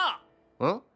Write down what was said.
うん？